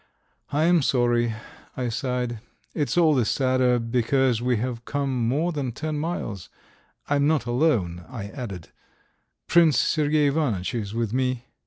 "I am sorry!" I sighed. "It's all the sadder because we have come more than ten miles. I am not alone," I added, "Prince Sergey Ivanitch is with me."